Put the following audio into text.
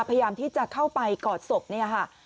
พยายามที่จะเข้าไปกอดศพเนี่ยค่ะ